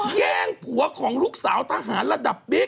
แย่งผัวของลูกสาวทหารระดับบิ๊ก